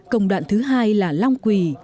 công đoạn thứ hai là long quỳ